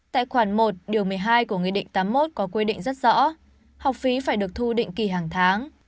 tại khoản một điều một mươi hai của nghị định tám mươi một có quy định rất rõ học phí phải được thu định kỳ hàng tháng